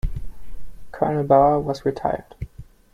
Colonel Bauer was retired.